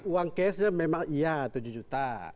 uang cashnya memang iya tujuh juta